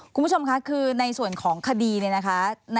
คุณผู้ชมค่ะคือในส่วนของคดีเนี่ยนะคะ